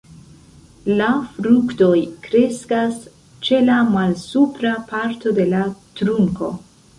La fruktoj kreskas ĉe la malsupra parto de la trunko.